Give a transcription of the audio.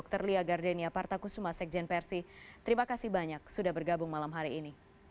terima kasih banyak sudah bergabung malam hari ini